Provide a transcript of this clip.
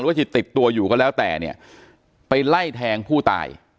จะติดตัวอยู่ก็แล้วแต่เนี่ยไปไล่แทงผู้ตาย